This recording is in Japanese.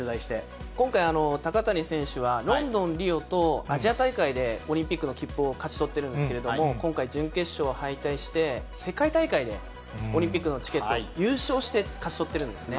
今回、高谷選手はロンドン、リオとアジア大会でオリンピックの切符を勝ち取ってるんですけれども、今回、準決勝敗退して、世界大会でオリンピックのチケットを、優勝して勝ち取っているんですね。